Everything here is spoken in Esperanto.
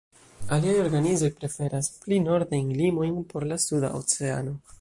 Aliaj organizoj preferas pli nordajn limojn por la Suda Oceano.